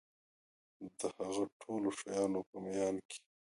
د هغه ټولو شیانو په میان کي